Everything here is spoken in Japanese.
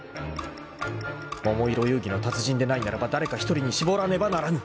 ［桃色遊戯の達人でないならば誰か一人に絞らねばならぬ！］